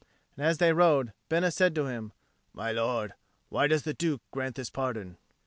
And as they rode, Bena said to him, "My lord, why does the Duke grant this pardon?"